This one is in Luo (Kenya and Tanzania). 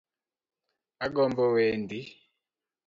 Agombo wendi.